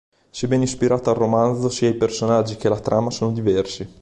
Sebbene ispirato al romanzo, sia i personaggi che la trama sono diversi.